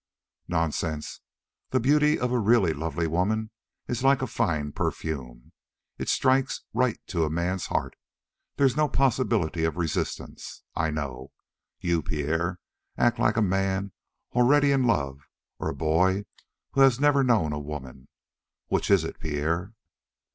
"Nonsense. The beauty of a really lovely woman is like a fine perfume. It strikes right to a man's heart; there's no possibility of resistance. I know. You, Pierre, act like a man already in love or a boy who has never known a woman. Which is it, Pierre?"